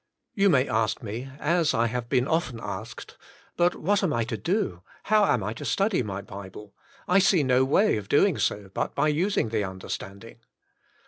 You may ask me, as I have been often asked, " But what am I to do ? How am I to study my Bible? I see no way of doing so, but by using the understanding."